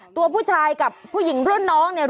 ตัวผู้ชายกับผู้หญิงรุ่นน้องเนี่ย